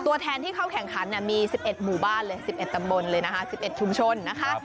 ตัวแทนที่เข้าแข่งขันมี๑๑หมู่บ้านเลย๑๑ตำบลเลยนะคะ๑๑ชุมชนนะคะ